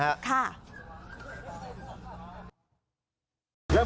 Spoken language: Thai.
แล้ววันนี้สูงสุดเท่าไรครับ